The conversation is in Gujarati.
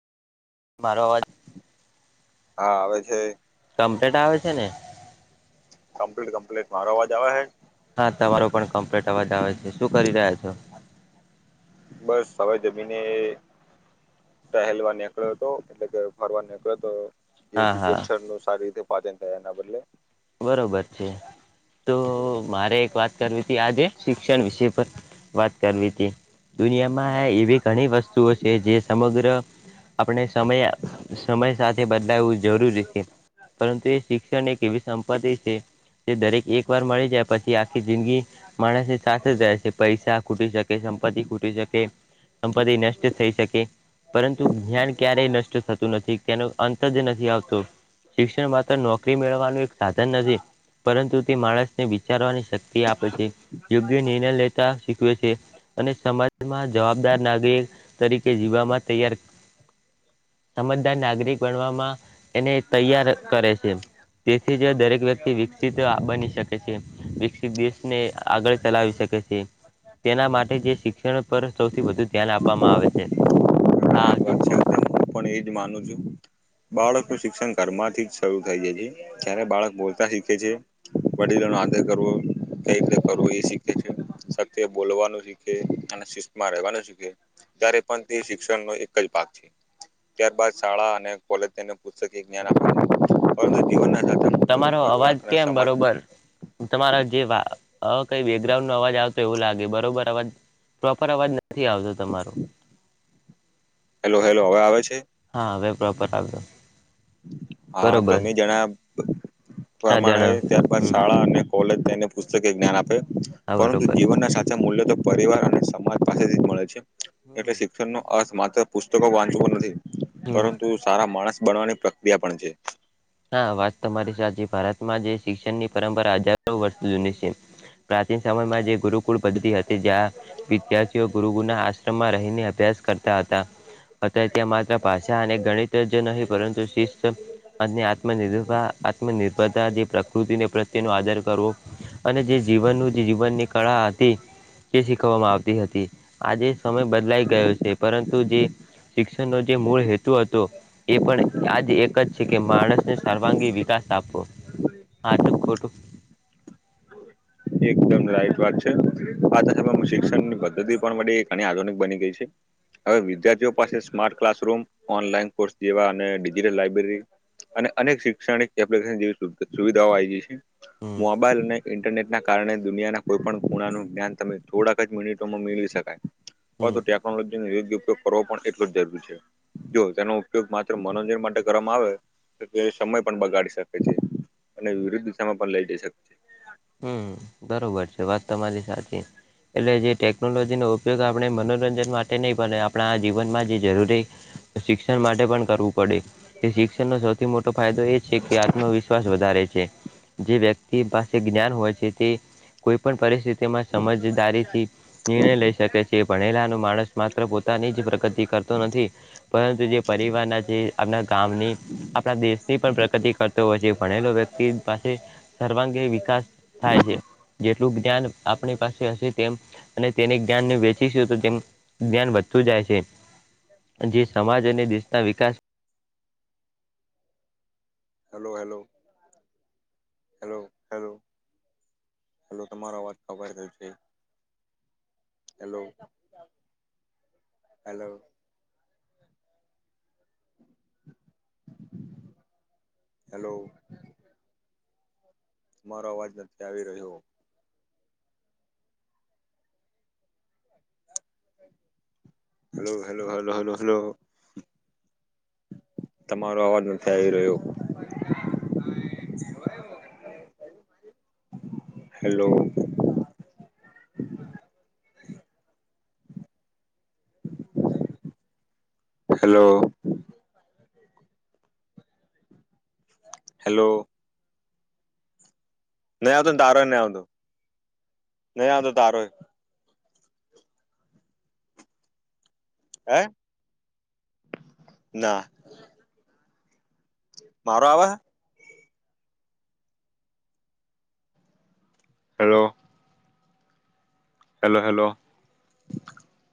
મારો અવાજ હા આવે છે કમ્પ્લેલેટ આવે છે ને કમ્પલીટ કમ્પલીટ મારો અવાજ આવે છે હા. તમારો પણ કમ્પ્લેટ અવાજ આવે છે શું કરી રહ્યા છો? બસ હવે જમીને ટહેલવા નેકળ્યો તો એટલે કે ફરવા નેકળ્યો તો હા જેથી હા જઠર નું સારી રીતે પાચન થાય એના બદલે બરોબર છે તો મારે એક વાત કરવી હતી આજે શિક્ષણ વિષય પર વાત કરવી હતી દુનિયામાં એવી ઘણી વસ્તુઓ છે જે સમગ્ર આપણે સમય સમય સાથે બદલાવું જરૂરી છે પરંતુ એ શિક્ષણ એક એવી સંપત્તિ છે જે દરેક એકવાર મળી પછી આખી જિંદગી માણસની સાથે જ રહેશે પૈસા ખૂટી શકે સંપત્તિ ખૂટી શકે સંપતિ નષ્ટ થઈ પરંતુ જ્ઞાન ક્યારેય નષ્ટ થતું નથી તેનો અંત જ નથી આવતો [unintelligible] શિક્ષણ માત્ર નોકરી મેળવવાનું એક સાધન નથી પરંતુ તે માણસને વિચારવાની શક્તિ આપે છે યોગ્ય નિર્ણય લેતા શીખવે છે અને સમાજમાં જવાબદાર નાગરિક તરીકે જીવવામાં તૈયાર સમજદાર નાગરિક બનવામાં એને તૈયાર કરે છે તેથી દરેક વ્યક્તિ વિકસિત બની શકે છે વિકસિત દેશને આગળ ચલાવી શકે છે તેના માટે જે શિક્ષણ પર સૌથી વધુ ધ્યાન આપવામાં આવે છે હા રાઈટ વાત છે ચુખો હું પણ એજ માનું છું બાળકનું શિક્ષણ ઘરમાંથી જ શરૂ થઈ જાય છે જ્યારે બાળક બોલતા શીખે છે વડીલો નો આદર કરવો કઈ રીતે કરવો એ શીખે છે સત્ય બોલવાનું હિખે અને શિસ્તમાં રહેવાનું શિખે ત્યારે પણ તે શિક્ષણ ન એક જ ત્યારબાદ શાળા અને કોલેજ તેને પુસ્તકિયું જ્ઞાન આપવા નું તમારો અવાજ કેમ બરોબર તમારા જેવા હ કઈ બેકગ્રાઉન્ડ નો અવાજ આવતો એવું લાગે બરોબર અવાજ પ્રોપર અવાજ નથી આવતો તમારો હેલો હેલો હવે આવે છે. હા હવે પ્રોપર આવયો હા તમે જણાવ્યા હા પ્રમાણે જણા ત્યારબાદ હમ શાળા અને કોલેજ તેને પુસ્તકે જ્ઞાન આપે હા પરંતુ બરોબર જીવનના સાચા મૂલ્ય પરિવાર અને સમાજ પાસેથી જ મળે છે હમ એટલે શિક્ષણનો અર્થ માત્ર પુસ્તકો વાંચવ નથી. હમ પરંતુ સારા માણસ બનવાની પ્રક્રિયા પણ છે. હા વાત તમારી સાચી ભારતમાં જે શિક્ષણ ની પરંપરા હાજા વર્ષ જૂની છે પ્રાચીન સમયમાં જે ગુરુકુળ પદ્ધતિ હતી જ્યાં વિદ્યાર્થીઓ ગુરુ ના આશ્રમમાં રહીને અભ્યાસ કરતા હતા અત્યારે ત્યાં માત્ર ભાષા અને ગણિત જ નહીં પરંતુ શિસ્ત આત્મન આત્મનિર્ભરતા જે પ્રકૃતિને પ્રત્યેનો આદાર કરવો. અને જે જીવનનું જે જીવનની કળા હતી. તે શીખવવામાં આવતી હતી આજે સમય બદલાઈ ગયો છે પરંતુ જે. શિક્ષણનો જે મૂળ હેતુ હતો એ પણ આજ એક જ. છે કે માણસને સાર્વાંગી વિકાસ આપવો આજું ખોટું. એકદમ રાઈટ વાત છે આ શિક્ષણની પદ્ધતિ પણ ઘણી આધુનિક બની ગઈ છે. હવે વિદ્યાર્થીઓ પાસે સ્માર્ટ ક્લાસરૂમ ઓનલાઈન કોર્સ જેવા અને ડિજિટલ લાઈબ્રેરી અનેક શિક્ષણિક એપ્લિકેશ જેવી સુવિધાઓ આવી છે હમ મોબાઈલ અને ઇન્ટરનેટ ના કારણે દુનિયાના કોઈ પણ ખૂણાનું જ્ઞાન તમે થોડાક જ મિનિટોમાં મેળવી શકાય. હમ પરંતુ ટેકનોલોજી નો યોગ્ય ઉપયોગ કરવો પણ એટલો જ જરૂરી છે. જો તેનો ઉપયોગ માત્ર મનોરંજન માટે કરવામાં આવે તો તે સમય પણ બગાડી શકે છે. અને વિરુદ્ધ દિશામાં પણ લઇ જઈ શકે છે. દર વર્ષે વાત તમારી સાચી. એટલે જે ટેકનોલોજીનો ઉપયોગ આપણે મનોરંજન માટે નહી પણ આપણા આ જીવનમાં જે જરૂરી. શિક્ષણ માટે પણ કરવું પડે એ શિક્ષણનો સૌથી મોટો ફાયદો એ છે કે આત્મવિશ્વાસ વધારે છે. જે વ્યક્તિ પાસે જ્ઞાન હોય છે તે કોઈ પણ પરિસ્થિતિ તેમાં સમજદારીથી નિર્ણય લઈ શકે છે ભણેલાનો માણસ માત્ર પોતાની જ પ્રગતિ કરે. પરંતુ જે પરિવાર જે આપણા ગામની આપણા દેશની પણ પ્રગતિ કરે. હોય છે ભણેલો વ્યક્તિ પાસે સર્વાંગી વિકાસ થાય છે જેટલું જ્ઞાન આપણી પાસે હશે તેમ અને તેને જ્ઞાનને વેચીશું તો તેમ જ્ઞાન વધતું જાય છે. જે સમાજ અને દેશના વિકાસ. Hello hello hello hello hello તમારો અવાજ ખબર થયો છે. હેલો હેલો હેલો તમારો અવાજ નથી આવી રહ્યો. Hello hello hello hello hello તમારો અવાજ નથી આવી રહ્યો. હેલો હેલો હેલો નહી આવતોને તારોય નહી આવતો નહી આવતો તારોય હે ના મારો આવે હે હેલો હેલો હેલો